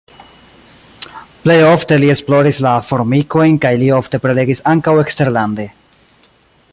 Plej ofte li esploris la formikojn kaj li ofte prelegis ankaŭ eksterlande.